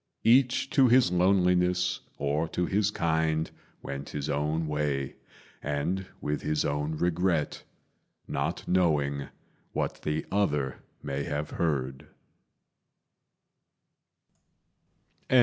Each to his loneliness or to his kind, Went his own way, and with his own regret, Not knowing what the other may have heard.